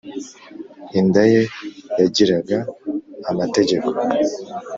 inda ye yagiraga amategeko,